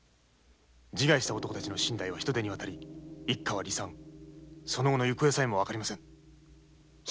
自害した男たちの身代は他人に渡り一家は離散その後の行方さえも分かりません。